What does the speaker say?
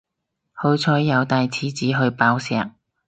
好彩有帶廁紙去爆石